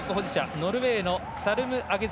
ノルウェーのサルムアゲゼ・